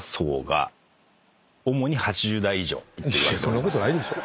そんなことないでしょ。